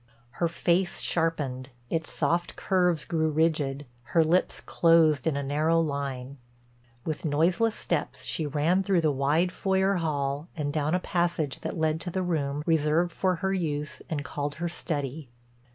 Her face sharpened, its soft curves grew rigid, her lips closed in a narrow line. With noiseless steps she ran through the wide foyer hall and down a passage that led to the room, reserved for her use and called her study.